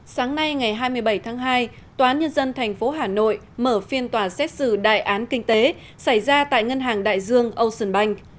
sáng nay ngày hai mươi bảy tháng hai tòa án nhân dân tp hà nội mở phiên tòa xét xử đại án kinh tế xảy ra tại ngân hàng đại dương ocean bank